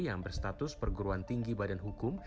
yang berstatus perguruan tinggi badan hukum